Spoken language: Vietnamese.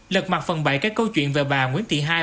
lật mặt phần bảy cái câu chuyện về bà nguyễn thị hai